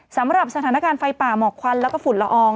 สำหรับสถานการณ์ไฟป่าหมอกควันแล้วก็ฝุ่นละออง